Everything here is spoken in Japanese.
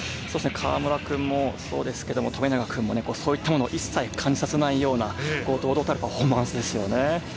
河村君もそうですけど富永君もそういったものを一切感じさせないような堂々たるパフォーマンスですよね。